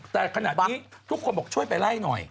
แต่ขณะนี้ทุกคนบอกช่วยไปไล่หน่อย